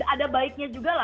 ada baiknya juga lah